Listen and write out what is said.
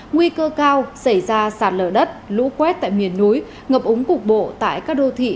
nguy cơ cao xảy ra sạt lở đất lũ quét tại miền núi ngập ống cục bộ tại các đô thị